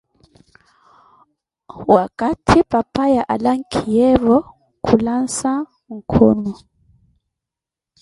Waakathi papaya alankhiyeevo, khulansa nkhono.